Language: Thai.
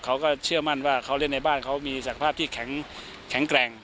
เขาก็เชื่อมั่นว่าเขาเล่นในบ้านเขามีศักภาพที่แข็งแกร่ง